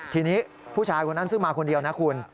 ทีนี้ผู้ชายคนนั้นซึ่งมาคนเดียวนะคุณ